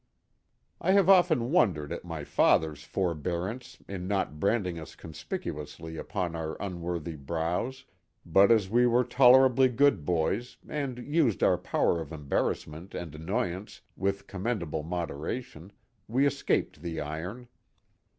I have often wondered at my father's forbearance in not branding us conspicuously upon our unworthy brows, but as we were tolerably good boys and used our power of embarrassment and annoyance with commendable moderation, we escaped the iron.